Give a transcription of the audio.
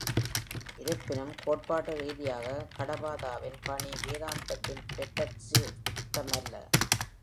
இருப்பினும், கோட்பாட்டு ரீதியாக கடபாதாவின் பணி வேதாந்தின், பௌதிஸ்ட த்தமல்ல.